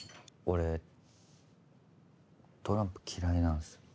俺トランプ嫌いなんですよ。